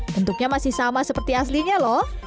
bentuknya masih sama seperti aslinya loh